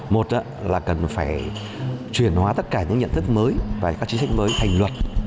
một là cần phải truyền hóa tất cả những nhận thức mới và các chính sách mới thành luật